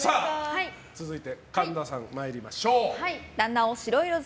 続いて、神田さん参りましょう。